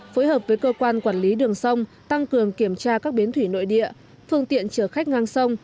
phối hợp với cơ quan quản lý đường sông tăng cường kiểm tra các bến thủy nội địa phương tiện chở khách ngang sông